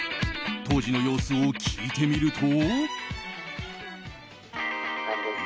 当時の様子を聞いてみると。